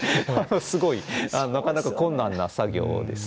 すごい、なかなか困難な作業です。